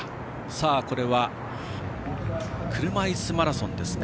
さあ、車いすマラソンですね。